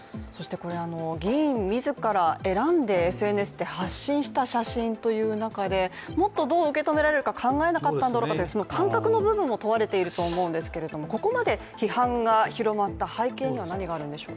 議員自ら選んでＳＮＳで発信した写真という中でもっとどう受け止められるか考えなかったのかというその感覚の部分も問われていると思うんですけれども、ここまで批判が広まった背景には何があるんでしょう。